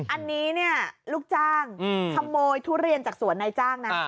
อันนี้เนี่ยลูกจ้างขโมยทุเรียนจากสวนนายจ้างนะ